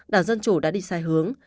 đảng dân chủ đã đi sai hướng